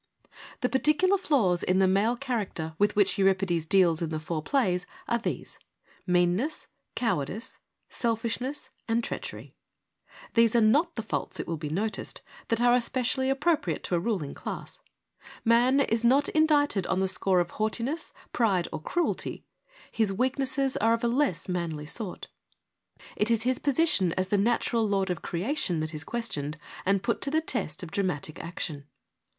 The particular flaws in the male character with 113 ii4 FEMINISM IN GREEK LITERATURE which Euripides deals in the four plays are these — meanness, cowardice, selfishness, and treachery. They are not the faults, it will be noticed, that are especially appropriate to a ruling class. Man is not indicted on the score of haughtiness, pride or cruelty : his weaknesses are of a less ' manly ' sort. It is his position as the natural lord of creation that is questioned and put to the test of dramatic action.